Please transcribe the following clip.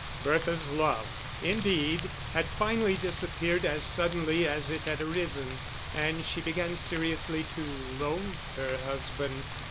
Bertha's love, indeed, had finally disappeared as suddenly as it had arisen, and she began seriously to loathe her husband.